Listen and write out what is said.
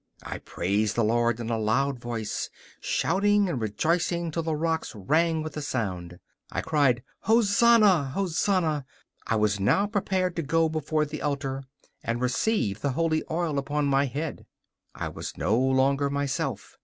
I praised the Lord in a loud voice, shouting and rejoicing till the rocks rang with the sound. I cried: 'Hosanna! Hosanna! I was now prepared to go before the altar and receive the holy oil upon my head. I was no longer myself.